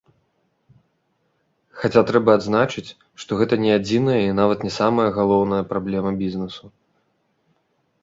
Хаця трэба адзначыць, што гэта не адзіная і нават не самая галоўная праблема бізнесу.